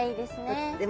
とっても。